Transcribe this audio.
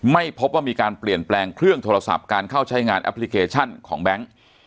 ไม่พบว่ามีการเปลี่ยนแปลงเครื่องโทรศัพท์การเข้าใช้งานแอปพลิเคชันของแบงค์